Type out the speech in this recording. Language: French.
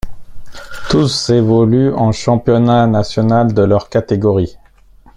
Tous évoluent en championnat national de leur catégorie.